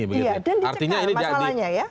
iya dan dicekal masalahnya ya